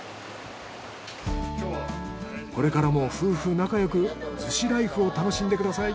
これからも夫婦仲良く逗子ライフを楽しんでください。